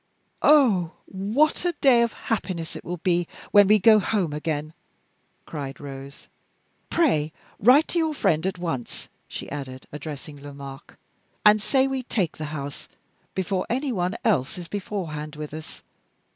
"Oh, what a day of happiness it will be when we go home again!" cried Rose. "Pray write to your friend at once," she added, addressing Lomaque, "and say we take the house, before any one else is beforehand with us!"